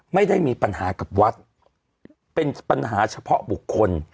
ไม่ได้มีปัญหากับวัดเป็นปัญหาเฉพาะบุคคล